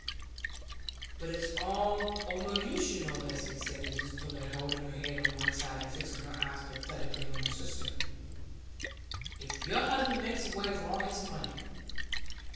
"But it's all o' no use, you know, Bessy," said Mrs Pullet, holding her head on one side, and fixing her eyes pathetically on her sister, "if your husband makes away with his money.